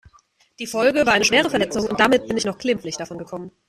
Die Folge war eine schwere Verletzung und damit bin ich noch glimpflich davon gekommen.